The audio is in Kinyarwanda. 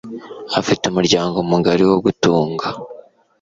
Afite umuryango mugari wo gutunga.